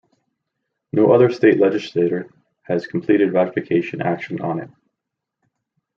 No other state legislature has completed ratification action on it.